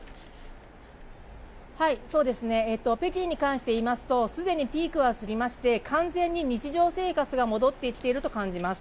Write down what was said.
北京に関していいますと、既にピークは過ぎまして、完全に日常生活が戻ってきていると感じます。